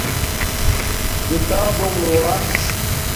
کتابونݣ لووہ